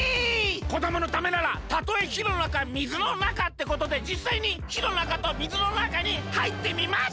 こどものためならたとえひのなかみずのなかってことでじっさいにひのなかとみずのなかにはいってみます！